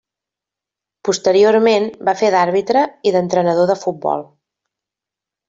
Posteriorment va fer d'àrbitre i d'entrenador de futbol.